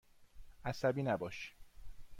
عصبی نباش.